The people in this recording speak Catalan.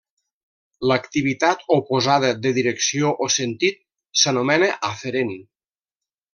L'activitat oposada de direcció o sentit s'anomena aferent.